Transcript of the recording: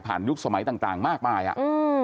ผ่านยุคสมัยต่างมากบ้าง